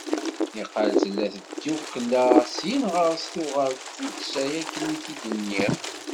Niqal tella d tidukla, syin ɣer-s tuɣal d tuddsa akken i t-id-nniɣ.